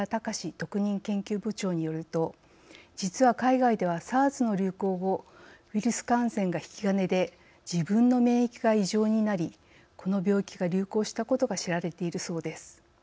特任研究部長によると実は海外ではＳＡＲＳの流行後ウイルス感染が引き金で自分の免疫が異常になりこの病気が流行したことが知られているそうです。